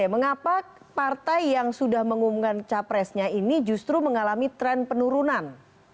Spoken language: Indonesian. mengapa partai yang sudah mengumumkan capresnya ini justru mengalami tren penurunan